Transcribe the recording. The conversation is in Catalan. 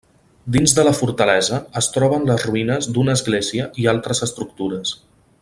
Dins de la fortalesa es troben les ruïnes d'una església i altres estructures.